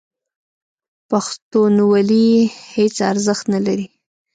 پښتونولي هېڅ ارزښت نه لري.